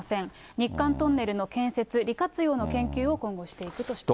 日韓トンネルの建設、利活用の研究を今後していくとしています。